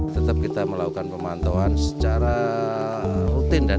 tetap kita melakukan pemantauan secara rutin dan